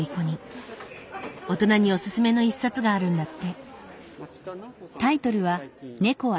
大人におすすめの一冊があるんだって。